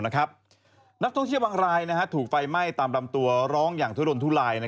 นักท่องเที่ยวบางรายถูกไฟไหม้ตามลำตัวร้องอย่างทุรนทุลาย